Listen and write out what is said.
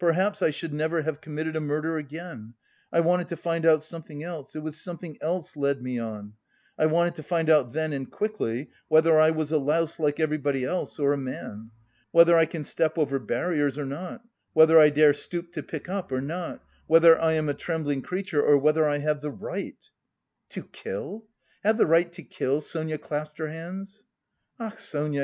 Perhaps I should never have committed a murder again. I wanted to find out something else; it was something else led me on. I wanted to find out then and quickly whether I was a louse like everybody else or a man. Whether I can step over barriers or not, whether I dare stoop to pick up or not, whether I am a trembling creature or whether I have the right..." "To kill? Have the right to kill?" Sonia clasped her hands. "Ach, Sonia!"